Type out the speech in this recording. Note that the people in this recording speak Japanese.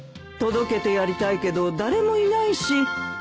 届けてやりたいけど誰もいないし